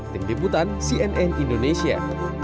dikiputan cnn indonesia